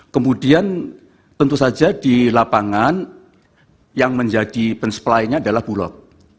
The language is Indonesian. kemudian tentu saja di lapangan yang menjadi pensupply nya adalah bulog